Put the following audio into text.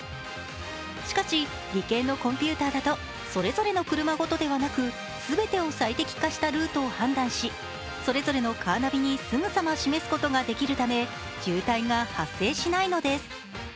しかし、理研のコンピューターだとそれぞれの車ごとではなく、全てを最適化したルートを判断しそれぞれのカーナビにすぐさま示すことができるため渋滞が発生しないのです。